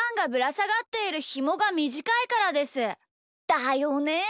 だよね！